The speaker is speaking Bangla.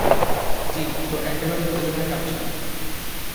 জি তো একেবারে উত্তেজনায় কাঁপছেন।